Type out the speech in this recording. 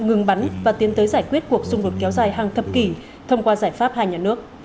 ngừng bắn và tiến tới giải quyết cuộc xung đột kéo dài hàng thập kỷ thông qua giải pháp hai nhà nước